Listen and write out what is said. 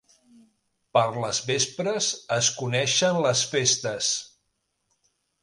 Per les vespres es coneixen les festes.